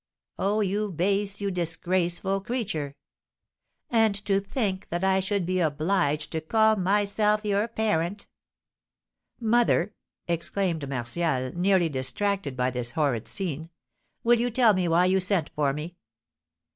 Oh, you base, you disgraceful creature! And to think that I should be obliged to call myself your parent!" "Mother," exclaimed Martial, nearly distracted by this horrid scene, "will you tell me why you sent for me?"